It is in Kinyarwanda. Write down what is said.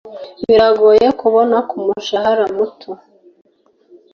biragoye kubona kumushahara muto